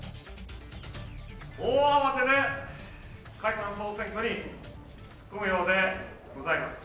大慌てで解散・総選挙に突っ込むようでございます。